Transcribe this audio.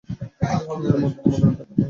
এর মধ্যে তোমাদের দেখা তো হয়েছে।